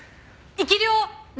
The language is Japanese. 生き霊！